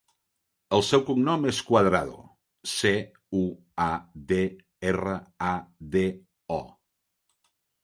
El seu cognom és Cuadrado: ce, u, a, de, erra, a, de, o.